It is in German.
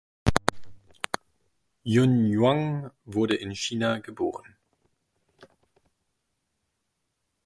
Yun Huang wurde in China geboren.